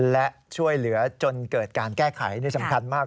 และช่วยเหลือจนเกิดการแก้ไขนี่สำคัญมาก